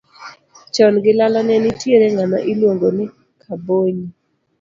Chon gi lala ne nitiere ng'ama iluono ni Kabonyi.